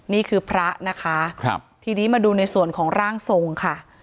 นี่คือพระนะคะทีนี้มาดูในส่วนของร่างทรงค่ะ